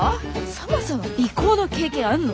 そもそも尾行の経験あんの？